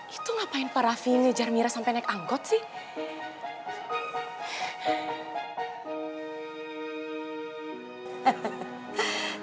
itu ngapain pak raffi ini jari mira sampai naik anggot sih